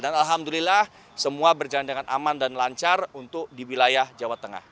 dan alhamdulillah semua berjalan dengan aman dan lancar untuk di wilayah jawa tengah